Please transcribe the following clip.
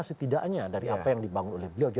setidaknya dari apa yang dibangun oleh beliau